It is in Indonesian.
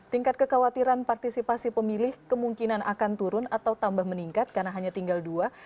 tingkat kekhawatiran partisipasi pemilih kemungkinan akan turun atau tambah meningkat karena hanya tinggal dua